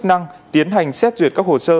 đã có chức năng tiến hành xét duyệt các hồ sơ